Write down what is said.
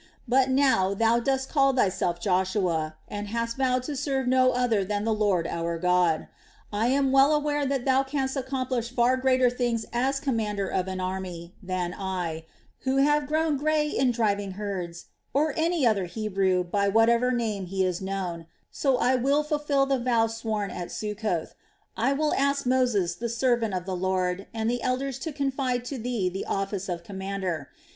But now thou dost call thyself Joshua, and hast vowed to serve no other than the Lord our God. I am well aware thou canst accomplish far greater things as commander of an army than I, who have grown grey in driving herds, or than any other Hebrew, by whatever name he is known, so I will fulfil the vow sworn at Succoth. I will ask Moses, the servant of the Lord, and the elders to confide to thee the office of commander.